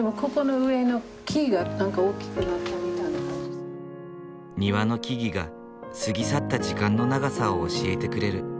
庭の木々が過ぎ去った時間の長さを教えてくれる。